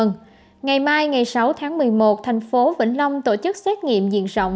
ngày mai ngày sáu tháng một mươi một thành phố vĩnh long tổ chức xét nghiệm diện rộng